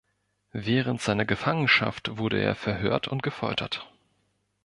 Während seiner Gefangenschaft wurde er verhört und gefoltert.